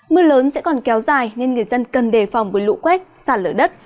mưa lớn sẽ còn kéo dài nên người dân cần đề phòng với lũ quét sạt lở đất